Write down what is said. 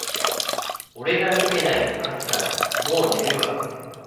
俺が見てないと勝つから、もう寝るわ